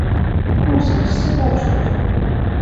共设四个出入口。